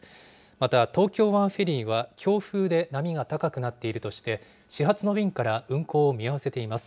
また、東京湾フェリーは、強風で波が高くなっているとして、始発の便から運航を見合わせています。